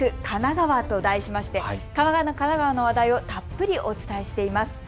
神奈川と題しまして神奈川の話題をたっぷりお伝えしています。